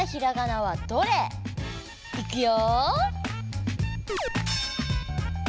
いくよ。